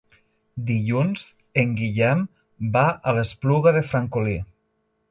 Dilluns en Guillem va a l'Espluga de Francolí.